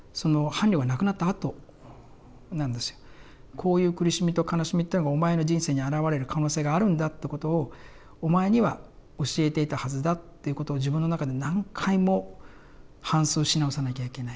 こういう苦しみと悲しみってのがお前の人生に現れる可能性があるんだってことをお前には教えていたはずだっていうことを自分の中で何回も反芻し直さなきゃいけない。